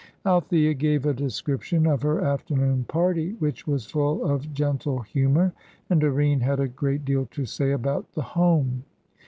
Althea gave a description of her afternoon party, which was full of gentle humour; and Doreen had a great deal to say about the Home.